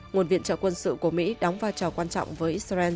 nguồn viện trợ quân sự của mỹ đóng vai trò quan trọng với israel